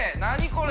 これ。